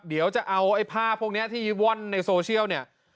เดี๋ยวจะเอาไอ้ภาพพวกนี้ที่ว่อนในโซเชียลเนี่ย